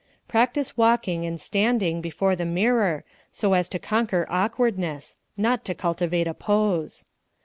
Practise walking and standing before the mirror so as to conquer awkwardness not to cultivate a pose.